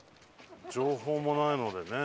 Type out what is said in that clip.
情報もないのでね